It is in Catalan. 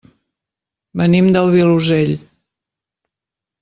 Venim del Vilosell.